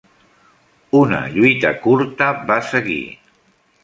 Una "lluita curta va seguir".